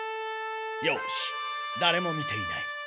よしだれも見ていない。